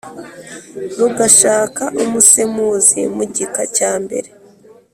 rugashaka umusemuzi mu gika cya mbere